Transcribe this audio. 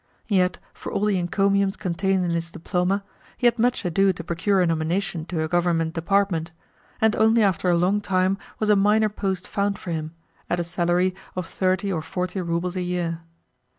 Yet, for all the encomiums contained in his diploma, he had much ado to procure a nomination to a Government Department; and only after a long time was a minor post found for him, at a salary of thirty or forty roubles a year.